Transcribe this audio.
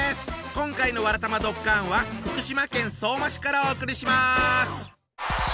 今回の「わらたまドッカン」は福島県相馬市からお送りします。